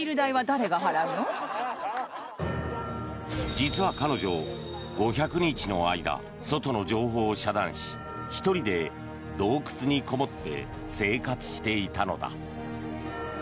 実は彼女、５００日の間外の情報を遮断し１人で洞窟にこもって生活していたのだ。